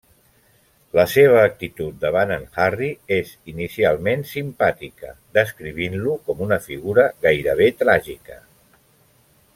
La seva actitud davant en Harry és, inicialment, simpàtica, descrivint-lo com una figura gairebé tràgica.